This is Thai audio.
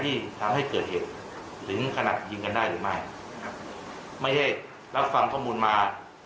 ที่ทำให้เบิดเหตุหรือจนถึงกันได้หรือไม่ไม่ถึงหลักฟังข้อมูลมา